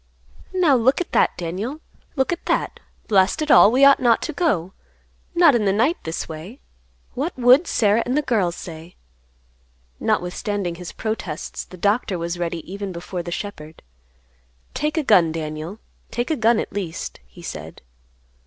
"Now, look at that, Daniel! Look at that. Blast it all; we ought not go; not in the night this way. What would Sarah and the girls say?" Notwithstanding his protests, the doctor was ready even before the shepherd. "Take a gun, Daniel; take a gun, at least," he said.